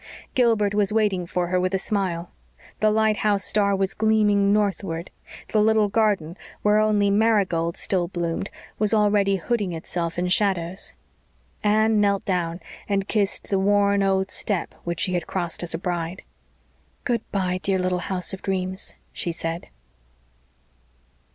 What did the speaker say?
Gilbert was waiting for her with a smile. The lighthouse star was gleaming northward. The little garden, where only marigolds still bloomed, was already hooding itself in shadows. Anne knelt down and kissed the worn old step which she had crossed as a bride. "Good bye, dear little house of dreams," she said.